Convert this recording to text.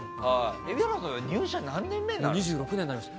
蛯原さんは入社何年目ですか？